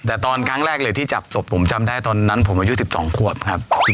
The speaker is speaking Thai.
แต่ตอนครั้งแรกเลยที่จับศพผมจำได้ตอนนั้นผมอายุ๑๒ขวบครับ